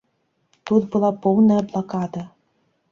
Тут была поўная блакада.